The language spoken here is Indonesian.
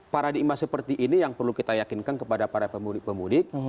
paradigma seperti ini yang perlu kita yakinkan kepada para pemudik pemudik